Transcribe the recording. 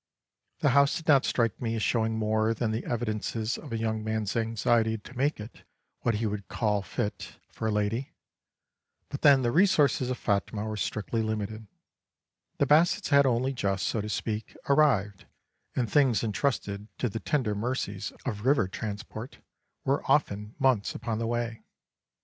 The house did not strike me as showing more than the evidences of a young man's anxiety to make it what he would call "fit for a lady"; but then the resources of Phatmah were strictly limited, the Bassets had only just, so to speak, arrived, and things entrusted to the tender mercies of river transport were often months upon the way.